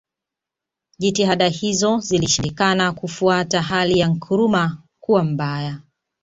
Jitihada hizo zilishindikana kufuatia hali ya Nkrumah Kuwa mbaya